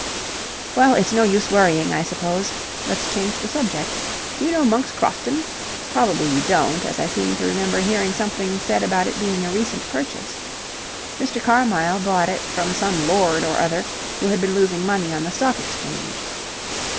Well, it's no use worrying, I suppose. Let's change the subject. Do you know Monk's Crofton? Probably you don't, as I seem to remember hearing something said about it being a recent purchase. Mr. Carmyle bought it from some lord or other who had been losing money on the Stock Exchange.